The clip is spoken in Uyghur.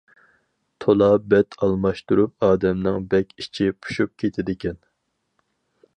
تولا بەت ئالماشتۇرۇپ ئادەمنىڭ بەك ئىچى پۇشۇپ كېتىدىكەن.